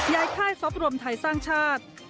ค่ายซอฟรวมไทยสร้างชาติ